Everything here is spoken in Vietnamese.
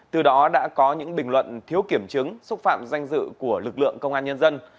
từ đó đã có những bình luận thiếu kiểm chứng xúc phạm danh dự của lực lượng công an nhân dân